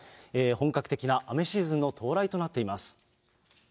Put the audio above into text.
本格的な雨シーズンの到来となっています。